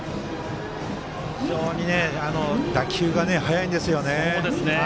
非常に打球が速いんですよね。